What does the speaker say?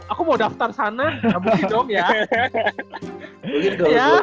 aku mau daftar sana habis dong ya